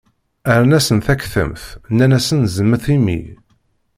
Rran-asen takmamt, nnan-asen zemmet imi.